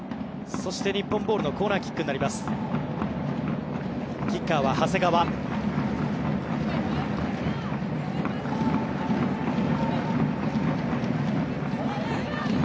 そして、日本ボールのコーナーキックになります。